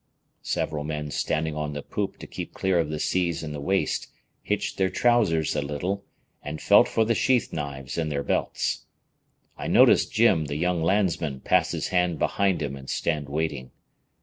Several men standing on the poop to keep clear of the seas in the waist, hitched their trousers a little, and felt for the sheath knives in their belts. I noticed Jim, the young landsman, pass his hand behind him and stand waiting.